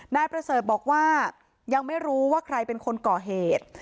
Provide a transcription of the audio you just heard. นายประเสริฐบอกว่ายังไม่รู้ว่าใครเป็นคนก่อเหตุ